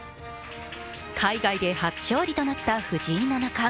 海外で初勝利となった藤井七冠。